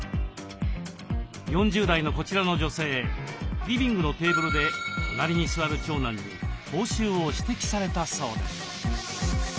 ４０代のこちらの女性リビングのテーブルで隣に座る長男に口臭を指摘されたそうです。